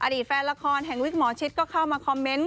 แฟนละครแห่งวิกหมอชิดก็เข้ามาคอมเมนต์